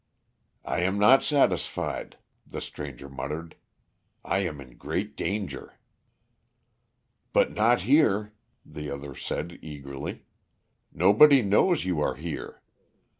"I am not satisfied," the stranger muttered. "I am in great danger." "But not here," the other said eagerly. "Nobody knows you are here.